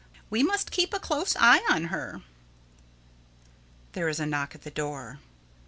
We must keep a close eye on her. [_There is a knock at the door.